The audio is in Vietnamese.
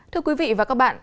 thưa quý vị và các bạn